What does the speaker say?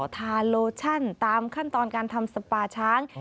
ทาโลชั่นตามขั้นตอนการทำสปาช้าง